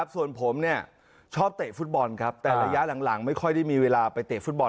ส่วนผมชอบเตะฟุตบอลครับแต่ระยะหลังไม่ค่อยได้มีเวลาไปเตะฟุตบอล